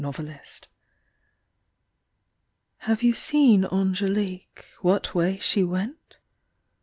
86 ANGELIQUE Have you seen Angelique, What way she went?